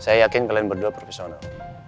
saya yakin kalian berdua profesional